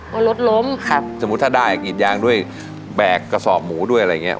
ว่ารถล้มครับสมมุติถ้าได้กรีดยางด้วยแบกกระสอบหมูด้วยอะไรอย่างเงี้